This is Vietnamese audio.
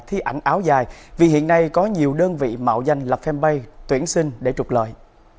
thi ảnh áo dài vì hiện nay có nhiều đơn vị mạo danh là fanpage tuyển sinh để trục lợi